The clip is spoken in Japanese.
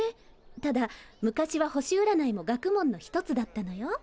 ただ昔は星うらないも学問の一つだったのよ。